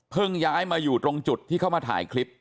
ย้ายมาอยู่ตรงจุดที่เขามาถ่ายคลิป